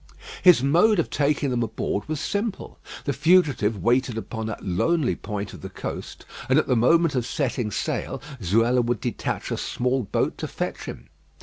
His mode of taking them aboard was simple. The fugitive waited upon a lonely point of the coast, and at the moment of setting sail, Zuela would detach a small boat to fetch him.